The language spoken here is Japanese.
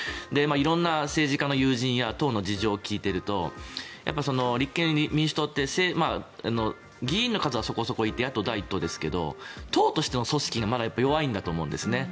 色んな政治家の友人や党の事情を聴いていると立憲民主党って議員の数はそこそこいて野党第１党ですけど党としての組織がまだ弱いんだと思うんですね。